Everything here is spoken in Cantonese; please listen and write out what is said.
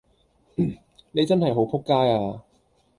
你真係好仆街呀